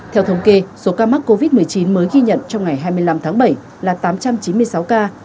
theo thống kê số ca mắc covid một mươi chín mới ghi nhận trong ngày hai mươi năm tháng bảy là tám trăm chín mươi sáu ca